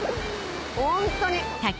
ホントに。